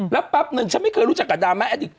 แล้วแป๊บนึงฉันไม่เคยรู้จักกับดราม่าแอดดิก